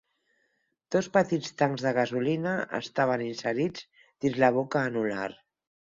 Dos petits tancs de gasolina estaven inserits dins la boca anular.